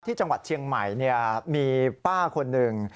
ที่จังหวัดเชียงใหม่มีป้าคนหนึ่ง